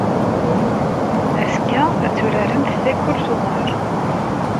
Azekka, ad turaremt takurt n uḍar.